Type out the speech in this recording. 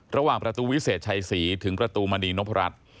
ระหว่างประตูวิเศษชัยศรีถึงประตูมณีนพรัช